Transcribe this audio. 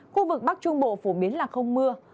khu vực bắc trung bộ phổ biến là không mưa